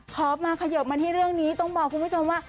พอมาเขยิบมาที่เรื่องนี้ต้องบอกคุณผู้ชมว่า